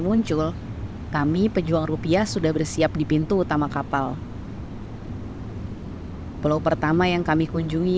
muncul kami pejuang rupiah sudah bersiap di pintu utama kapal pulau pertama yang kami kunjungi